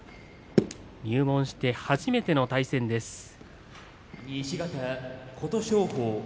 入門して初めての対戦です。